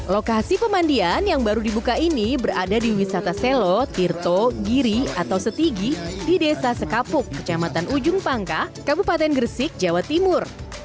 lokasi pemandian yang baru dibuka ini berada di wisata selo tirto giri atau setigi di desa sekapuk kecamatan ujung pangka kabupaten gresik jawa timur